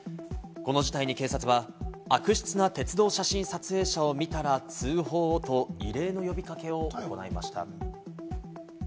この事態に警察は、「悪質な鉄道写真撮影者を見たら通報を！！」と異例の呼び掛けを行いました。